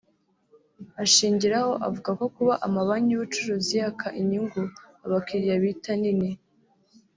ashingiraho avuga ko kuba amabanki y’ubucuruzi yaka inyungu abakiriya bita ‘nini’